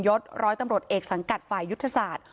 ศร้อยตำรวจเอกสังกัดฝ่ายยุทธศาสตร์